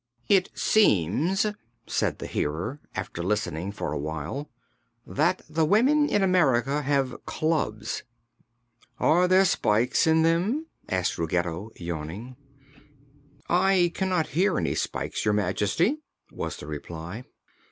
"It seems," said the Hearer, after listening for awhile, "that the women in America have clubs." "Are there spikes in them?" asked Ruggedo, yawning. "I cannot hear any spikes, Your Majesty," was the reply.